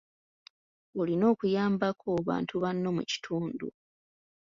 Olina okuyambako bantu banno mu kitundu.